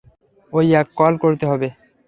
ওই এক কল করতে হবে।